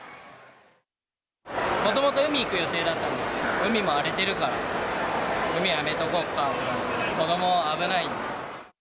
もともと海に行く予定だったんですけれども、海も荒れているから、海はやめとこうかって感じで、子どもは危ないんで。